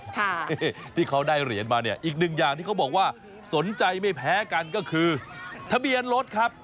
ที่เขาได้เหรียญมาเนี่ยอีกหนึ่งอย่างที่เขาบอกว่าสนใจไม่แพ้กันก็คือทะเบียนรถครับ